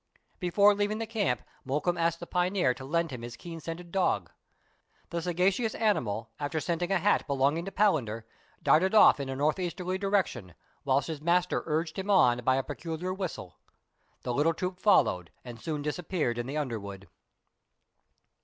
Before leaving the camp, Mokoum asked the pioneer to lend him his keen scented dog. The sagacious animal, after scenting a hat belonging to Palander, darted off in a north easterly direction, whilst his master urged him on by a peculiar whistle. The little troop followed, and soon dis appeared in the underwood.